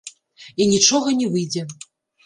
І нічога не выйдзе.